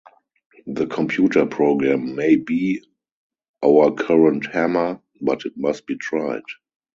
The computer program may be our current hammer, but it must be tried.